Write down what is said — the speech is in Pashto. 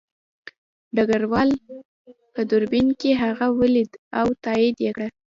ډګروال په دوربین کې هغه ولید او تایید یې کړه